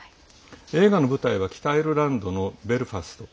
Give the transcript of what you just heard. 映画の舞台は北アイルランドのベルファスト。